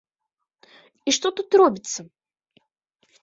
І што тут робіцца!